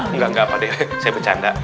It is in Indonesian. enggak enggak pak de saya bercanda